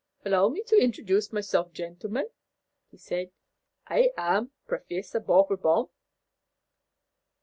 "Allow me to introduce myself, gentlemen," said he. "I am Professor Poppelbaum."